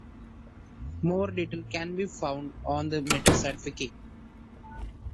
More detail can be found on the Meteosat wiki.